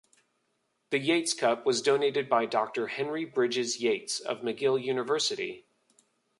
The Yates Cup was donated by Doctor Henry Brydges Yates of McGill University.